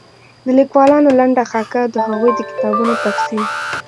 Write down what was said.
د ليکوالانو لنډه خاکه او د هغوی د کتابونو تفصيل